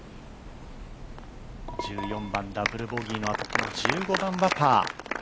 １４番、ダブルボギーのあと、この１５番はパー。